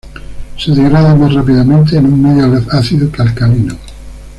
Se degrada más rápidamente en un medio ácido que alcalino.